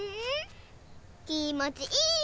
きもちいい！